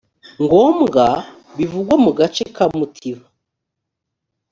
ngombwa bivugwa mu gace ka mutiba